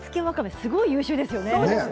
すごく優秀ですよね。